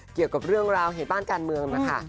เกี่ยวกับเรื่องราวเหตุบ้านการเมืองนะคะ